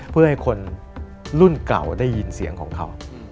เพื่อให้คนรุ่นเก่าได้ยินเสียงของเขา